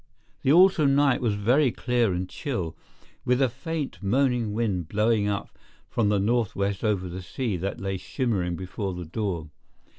The autumn night was very clear and chill, with a faint, moaning wind blowing up from the northwest over the sea that lay shimmering before the door.